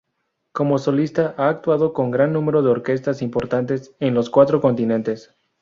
Como solista ha actuado con gran número de orquestas importantes en los cuatro continentes.